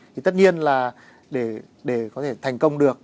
thì tất nhiên là để có thể thành công được